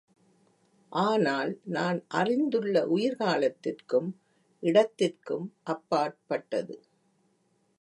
ஆனால், நான் அறிந்துள்ள உயிர் காலத்திற்கும் இடத்திற்கும் அப்பாற்பட்டது.